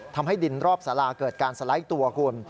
ทำให้ดินรอบสาราเกิดการสไลด์ตัวคุณ